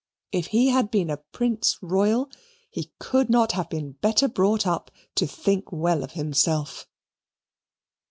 If he had been a Prince Royal he could not have been better brought up to think well of himself.